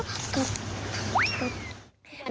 กลับ